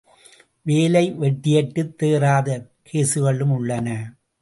வேலை வெட்டியற்றுத் தேறாத கேசுகளும் உள்ளன.